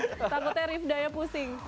takutnya rivdanya pusing